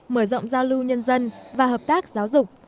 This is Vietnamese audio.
mở rộng giao lưu nhân dân và hợp tác giáo dục